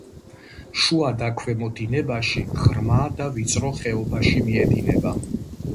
შუა და ქვემო დინებაში ღრმა და ვიწრო ხეობაში მიედინება.